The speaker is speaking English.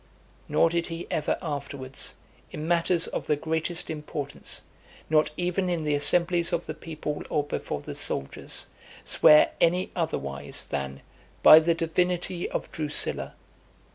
Nor did he ever afterwards, in matters of the greatest importance, not even in the assemblies of the people or before the soldiers, swear any otherwise, than "By the divinity of Drusilla."